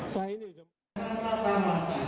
saya ini udah